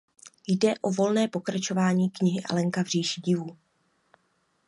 Jde o volné pokračování knihy "Alenka v říši divů".